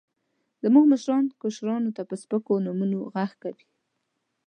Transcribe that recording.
زموږ مشران، کشرانو ته په سپکو نومونو غږ کوي.